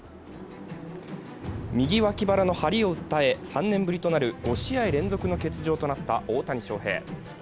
右脇腹の張りを訴え、３年ぶりとなる５試合連続の欠場となった大谷翔平。